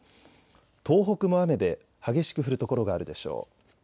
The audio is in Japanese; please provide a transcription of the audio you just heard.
東北も雨で激しく降る所があるでしょう。